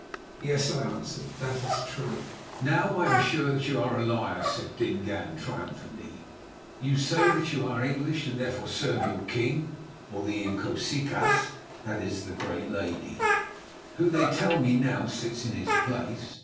"Yes," I answered, "that is true." "Now I am sure that you are a liar," said Dingaan triumphantly. "You say that you are English and therefore serve your king, or the Inkosikaas" (that is the Great Lady), "who they tell me now sits in his place.